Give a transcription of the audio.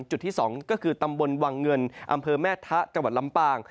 จุดที่๒ก็คือตำบลวังเงินอำเภอแม่ทะจังหวัดลำปาง